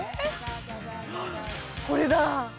これだ。